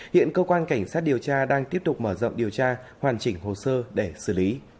hiện cơ quan cảnh sát điều tra đang tiếp tục mở rộng điều tra hoàn chỉnh hồ sơ để xử lý